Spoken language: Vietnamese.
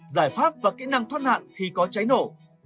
giải pháp và kỹ năng thoát nạn khi có cháy nổ